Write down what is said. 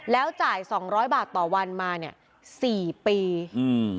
แล้วจ่ายสองร้อยบาทต่อวันมาเนี้ยสี่ปีอืม